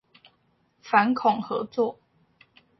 反恐合作